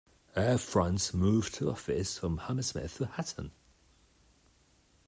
Air France moved the office from Hammersmith to Hatton.